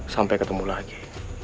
sampai ketemu lagi